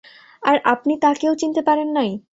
আর আপনি তাকেও চিনতে পারেন নাই?